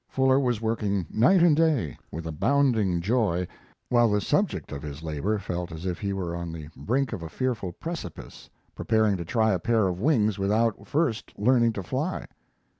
Fuller was working night and day with abounding joy, while the subject of his labor felt as if he were on the brink of a fearful precipice, preparing to try a pair of wings without first learning to fly.